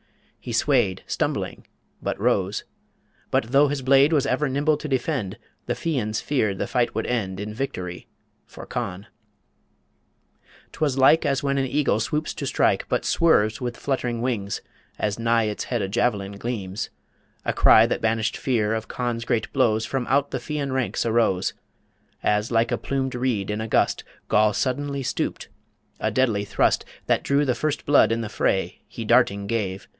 He swayed, Stumbling, but rose ... But, though his blade Was ever nimble to defend, The Fians feared the fight would end In victory for Conn. ... 'Twas like As when an eagle swoops to strike, But swerves with flutt'ring wings, as nigh Its head a javelin gleams ... A cry That banished fear of Conn's great blows From out the Fian ranks arose, As, like a plumed reed in a gust, Goll suddenly stooped a deadly thrust That drew the first blood in the fray He darting gave